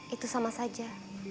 itu sama saja